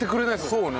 そうね。